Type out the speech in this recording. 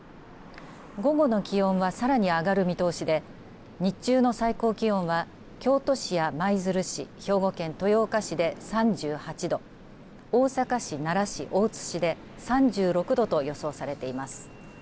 午後の気温はさらに上がる見通しで日中の最高気温は京都市や舞鶴市兵庫県豊岡市で３８度大阪市、奈良市、大津市で３６度と予想されています。